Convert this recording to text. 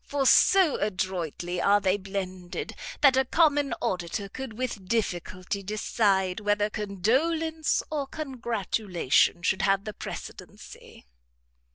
For so adroitly are they blended, that a common auditor could with difficulty decide, whether condolence, or congratulation should have the precedency."